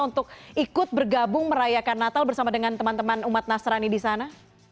untuk ikut bergabung merayakan natal bersama dengan teman teman umat nasrani di sana